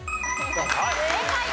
正解。